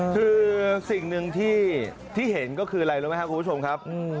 คือสิ่งหนึ่งที่เห็นก็คืออะไรรู้ไหมครับคุณผู้ชมครับ